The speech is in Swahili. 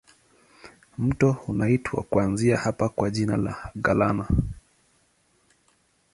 Mto unaitwa kuanzia hapa kwa jina la Galana.